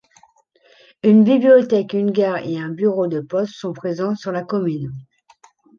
Une bibliothèque, une gare et un bureau de poste sont présents sur la commune.